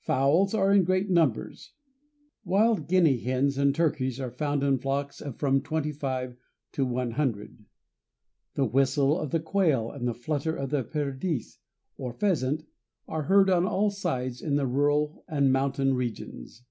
Fowls are in great numbers. Wild guinea hens and turkeys are found in flocks of from 25 to 100. The whistle of the quail and the flutter of the perdiz, or pheasant, are heard on all sides in the rural and mountain regions.